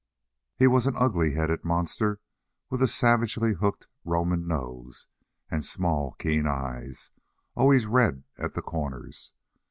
He was an ugly headed monster with a savagely hooked Roman nose and small, keen eyes, always red at the corners.